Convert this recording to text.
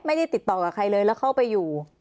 ไม่ได้ติดต่อกับใครเลยแล้วเข้าไปอยู่